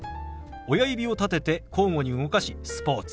親指を立てて交互に動かし「スポーツ」。